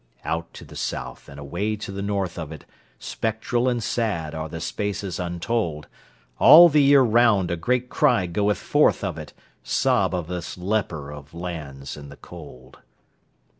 Out to the South and away to the north of it, Spectral and sad are the spaces untold! All the year round a great cry goeth forth of it—Sob of this leper of lands in the cold.